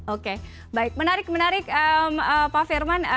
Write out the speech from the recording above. oke baik menarik menarik pak firman